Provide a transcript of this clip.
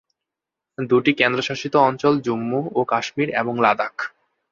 দুটি কেন্দ্রশাসিত অঞ্চল জম্মু ও কাশ্মীর এবং লাদাখ।